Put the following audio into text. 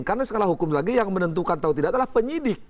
karena hukum itu lagi yang menentukan atau tidak adalah penyidik